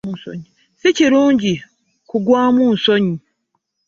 Si kirungi ku gwamu nsonyi.